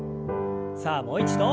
さあもう一度。